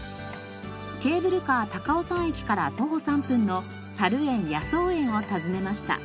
ケーブルカー高尾山駅から徒歩３分のさる園・野草園を訪ねました。